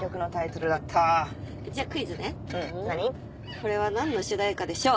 これは何の主題歌でしょう？